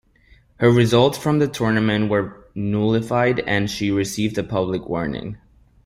Her results from the tournament were nullified and she received a public warning.